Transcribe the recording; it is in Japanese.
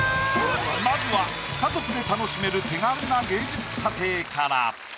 まずは家族で楽しめる手軽な芸術査定から。